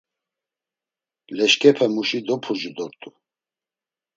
Leşkepemuşi dopurcu dort̆u.